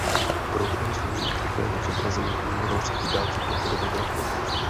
Program slouží k rychlému zobrazení uživatelských dat do podoby grafu.